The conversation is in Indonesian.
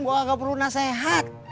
gue gak perlu nasehat